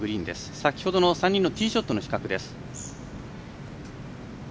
先ほどの３人のティーショットの比較です。